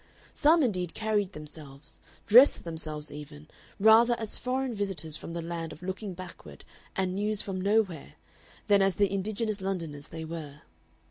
Some indeed carried themselves, dressed themselves even, rather as foreign visitors from the land of "Looking Backward" and "News from Nowhere" than as the indigenous Londoners they were.